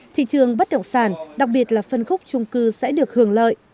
thị trường bất động sản đặc biệt là phân khúc trung cư sẽ được hưởng lợi